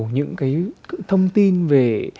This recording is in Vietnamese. những cái thông tin về